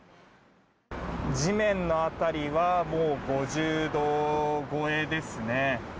地面の辺りは５０度超えですね。